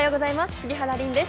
杉原凜です。